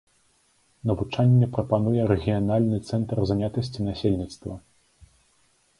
Навучанне прапануе рэгіянальны цэнтр занятасці насельніцтва.